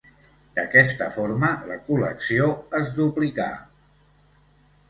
D'aquesta forma la col·lecció es duplicà.